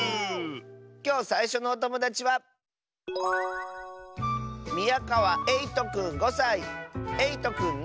きょうさいしょのおともだちはえいとくんの。